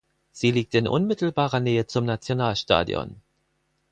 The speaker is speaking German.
Sie liegt in unmittelbarer Nähe zum Nationalstadion.